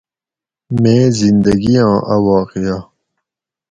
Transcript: میں زندگیاں اۤ واقعہ